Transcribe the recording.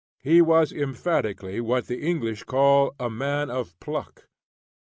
He was emphatically what the English call a man of "pluck."